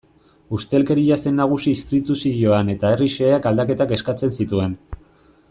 Ustelkeria zen nagusi instituzioan eta herri xeheak aldaketak eskatzen zituen.